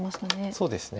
そうですね。